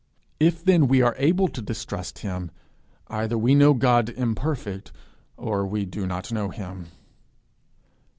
If then we are able to distrust him, either we know God imperfect, or we do not know him.